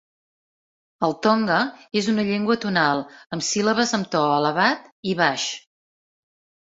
El tonga és una llengua tonal, amb síl·labes amb to elevat i baix.